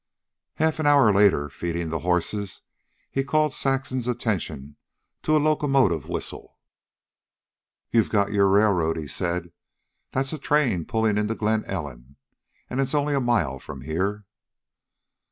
Half an hour later, feeding the horses, he called Saxon's attention to a locomotive whistle. "You've got your railroad," he said. "That's a train pulling into Glen Ellen, an' it's only a mile from here."